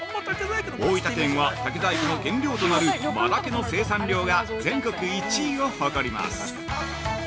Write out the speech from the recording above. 大分県は竹細工の原料となる真竹の生産量が全国１位を誇ります。